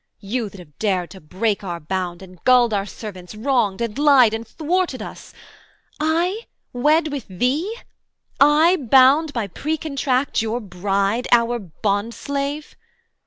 You that have dared to break our bound, and gulled Our servants, wronged and lied and thwarted us I wed with thee! I bound by precontract Your bride, your bondslave!